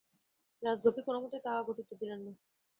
রাজলক্ষ্মী কোনোমতেই তাহা ঘটিতে দিলেন না।